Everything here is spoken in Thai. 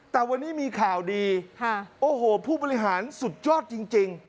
แต่วันนี้มีข่าวดีโอ้โหผู้บริหารสุดยอดจริง